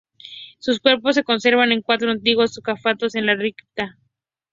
Sus cuerpos se conservan en cuatro antiguos sarcófagos en la cripta.